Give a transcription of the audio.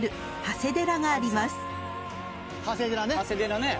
長谷寺ね。